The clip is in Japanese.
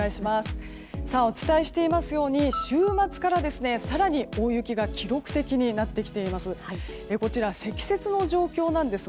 お伝えしていますように週末から、更に大雪が記録的になってきています。